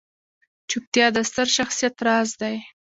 چوپتیا، د ستر شخصیت راز دی.